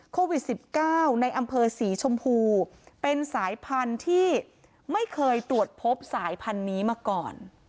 โควิด๑๙ในอำเภอศรีชมพูเป็นสายพันธุ์ที่ไม่เคยตรวจพบสายพันธุ์นี้มาก่อน